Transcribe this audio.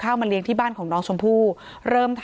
การแก้เคล็ดบางอย่างแค่นั้นเอง